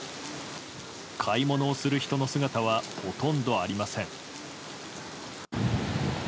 買い物をする人の姿はほとんどありません。